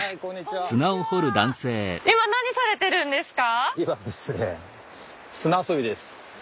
今何されてるんですか？